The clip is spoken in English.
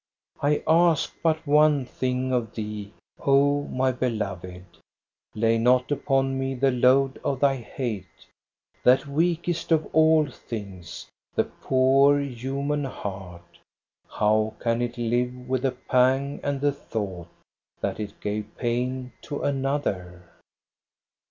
" I ask but one thing of thee, O my beloved :' Lay not upon me the load of thy hate !' That weakest of all things, the poor human heart, How can it live with the pang and the thought That it gave pain to another?